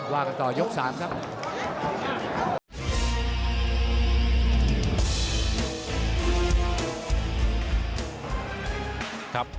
ว่ากันต่อยก๓ครับ